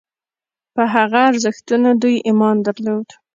په هغه ارزښتونو دوی ایمان درلود.